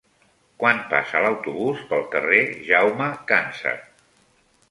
Quan passa l'autobús pel carrer Jaume Càncer?